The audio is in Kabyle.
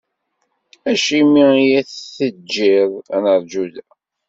Acimi i aɣ-teǧǧiḍ ad neṛju da?